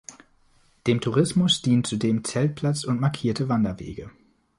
Dem Tourismus dienen zudem Zeltplatz und markierte Wanderwege.